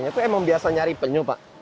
itu emang biasa nyari penyu pak